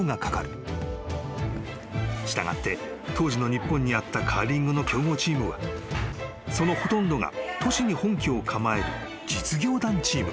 ［従って当時の日本にあったカーリングの強豪チームはそのほとんどが都市に本拠を構える実業団チーム］